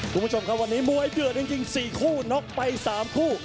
คุณผู้ชมครับวันนี้มวยเดือดจริง๔คู่น็อกไป๓คู่